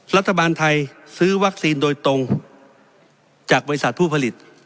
รัฐบาลไทยซื้อวัคซีนโดยตรงจากบริษัทผู้ผลิต